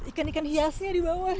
ikan ikan hiasnya di bawah